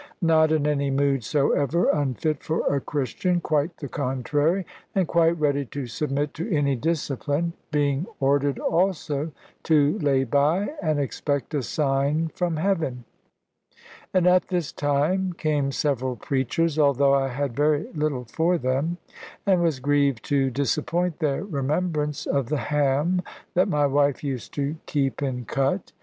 Not in any mood soever unfit for a Christian; quite the contrary, and quite ready to submit to any discipline; being ordered also to lay by, and expect a sign from heaven. And at this time came several preachers; although I had very little for them, and was grieved to disappoint their remembrance of the ham that my wife used to keep in cut.